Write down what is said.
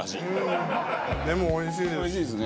でもおいしいです。